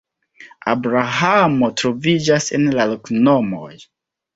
Abrahamo troviĝas en la loknomoj.